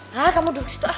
hah kamu duduk disitu ah